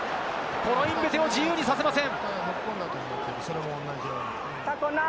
コロインベテを自由にさせません。